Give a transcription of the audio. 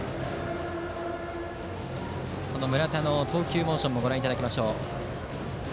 その村田の投球モーションもご覧いただきます。